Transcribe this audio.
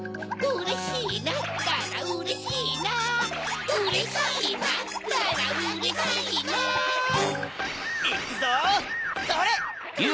うれしいなったらうれしいな！かびかびかび！